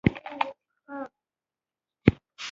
سوالګر د زړونو غږ دی